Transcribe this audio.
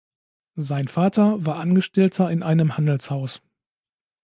Sein Vater war Angestellter in einem Handelshaus.